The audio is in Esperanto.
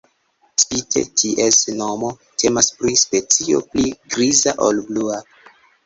Spite ties nomo, temas pri specio pli griza ol blua.